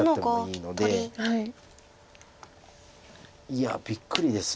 いやびっくりです